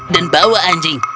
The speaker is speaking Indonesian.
dan bawa anjing